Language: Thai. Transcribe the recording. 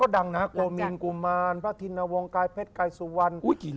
ดังนะครับกลมีนกุมารสมพฤตินวงวงไกรเพชรไกรสุวรรค